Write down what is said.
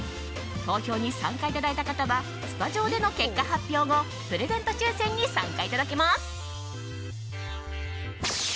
投票に参加いただいた方はスタジオでの結果発表後プレゼント抽選に参加いただけます。